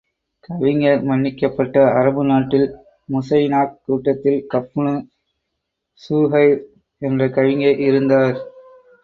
கவிஞர் மன்னிக்கப்பட்டார் அரபு நாட்டில் முஸைனாக் கூட்டத்தில் கஃபுப்னு ஸுஹைர் என்ற கவிஞர் இருந்தார்.